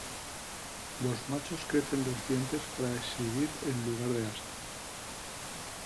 Los machos crecen los dientes para exhibir en lugar de astas.